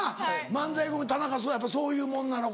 漫才田中やっぱそういうもんなのか？